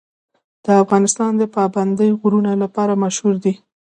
افغانستان د پابندی غرونه لپاره مشهور دی.